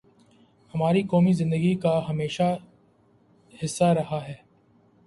ہماری قومی زندگی کا ہمیشہ حصہ رہا ہے۔